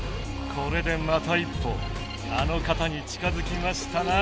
これでまた一歩あの方に近づきましたな